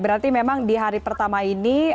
berarti memang di hari pertama ini